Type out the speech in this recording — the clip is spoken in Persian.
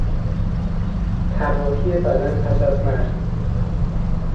تباهی بدن پس از مرگ